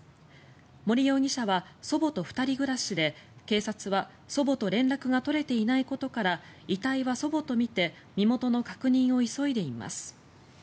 森容疑者は祖母と２人暮らしで警察は、祖母と連絡が取れていないことから遺体は祖母とみて身元の確認を急いでいます。